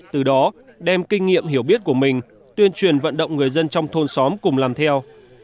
từ đó đem kinh nghiệm hiểu biết của mình tuyên truyền vận động người dân trong thôn xóm cùng làm theo